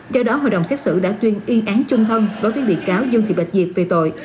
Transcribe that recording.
do đó hội đồng xét xử đã tuyên y án chung thân đối với bị cáo dương thị bạch diệt về tội